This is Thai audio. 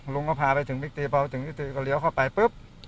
ลุงเขาพาไปถึงวิกษีพอถึงวิกษีก็เลี้ยวเข้าไปปึ๊บ